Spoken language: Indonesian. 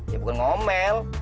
ya bukan ngomel